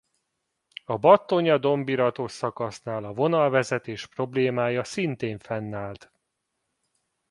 A Battonya–Dombiratos szakasznál a vonalvezetés problémája szintén fennállt.